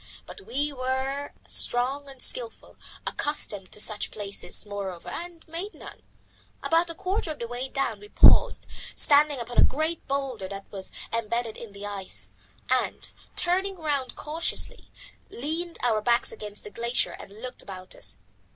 But we were strong and skilful, accustomed to such places moreover, and made none. About a quarter of the way down we paused, standing upon a great boulder that was embedded in the ice, and, turning round cautiously, leaned our backs against the glacier and looked about us.